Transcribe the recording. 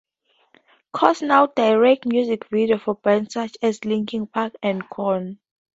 Cox now directs music videos for bands such as Linkin Park and Korn.